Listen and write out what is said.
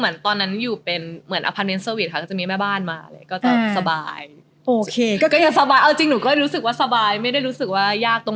แล้วก็ไปในบ้านเอง